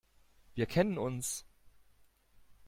Wir kennen uns.